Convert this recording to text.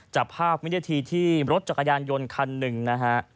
จับภาพวินาทีที่รถจักรยานยนต์คันหนึ่งนะฮะ